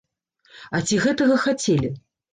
А ці гэтага хацелі?